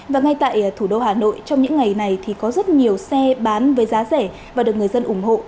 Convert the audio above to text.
và ngay tại thủ đô hà nội trong những ngày này thì có rất nhiều xe bán với giá rẻ và được người dân ủng hộ